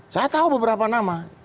saya tahu beberapa nama